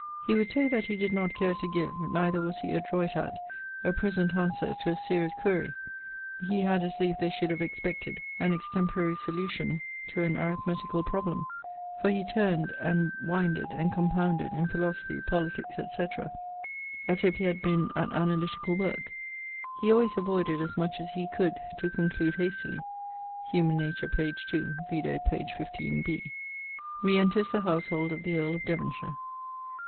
He would say that he did not care to give, neither was he adroit at, a present answer to a serious quaere: he had as lieve they should have expected an extemporary solution to an arithmeticall probleme, for he turned and winded and compounded in philosophy, politiques, etc., as if he had been at analyticall worke. He alwayes avoided, as much as he could, to conclude hastily (Humane Nature, p. 2). Vide p. 15 b. <_Re enters the household of the earl of Devonshire.